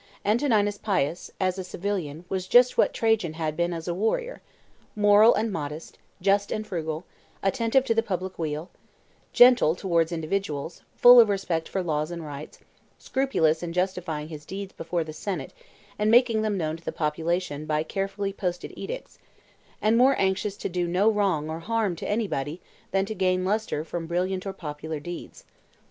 Antoninus Pius, as a civilian, was just what Trajan had been as a warrior moral and modest; just and frugal; attentive to the public weal; gentle towards individuals; full of respect for laws and rights; scrupulous in justifying his deeds before the senate and making them known to the populations by carefully posted edicts; and more anxious to do no wrong or harm to anybody than to gain lustre from brilliant or popular deeds.